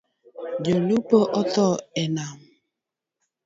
Jo lupo otho e nam.